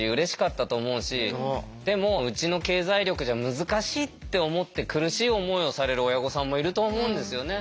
でもうちの経済力じゃ難しいって思って苦しい思いをされる親御さんもいると思うんですよね。